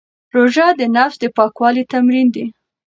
روژه د نفس د پاکوالي تمرین دی.